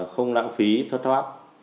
không lãng phí thoát thoát